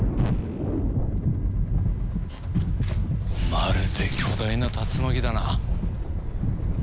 まるで巨大な竜巻だな。